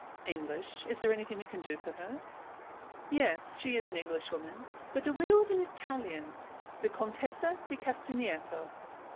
"English? Is there anything we can do for her?" "Yes, she is an Englishwoman, but the widow of an Italian the Contessa di Castagneto."